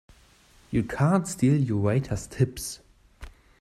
You can't steal your waiters' tips!